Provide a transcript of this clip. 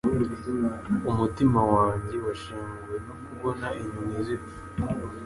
Umutima wanjye washenguwe no kubona inyoni zipfa.